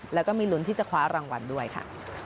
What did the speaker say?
แล้วก็มีลุ้นที่จะคว้ารางวัลด้วยค่ะ